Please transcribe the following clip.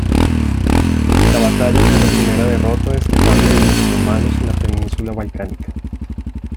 La batalla fue la primera derrota destacable de los otomanos en la península balcánica.